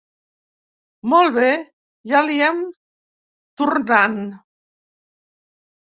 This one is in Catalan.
Molt bé, ja li hem tornant.